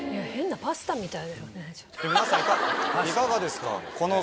いかがですか？